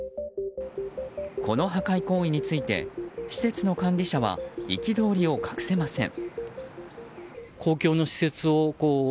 この破壊行為について施設の管理者は憤りを隠せません。